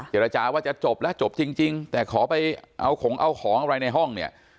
เจรจาว่าจะจบแล้วจบจริงแต่ขอไปเอาของเอาของอะไรในห้องเนี่ย